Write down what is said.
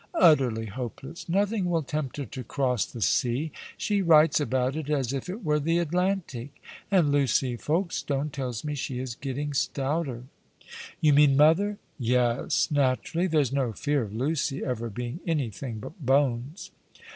" Utterly hopeless ! Nothing will tempt her to cross the sea. She writes about it as if it were the Atlantic. And Lucy Folkestone tells me she is getting stouter." " You mean mother ?"" Yes, naturally. There's no fear of Lucy ever being any thing but bones.